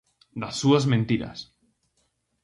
Das súas mentiras.